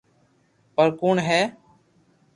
پر ڪوڻ ھي